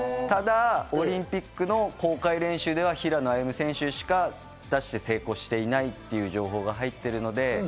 ただ、オリンピックの公開練習では平野歩夢選手しか出して成功していないという情報が入っているので。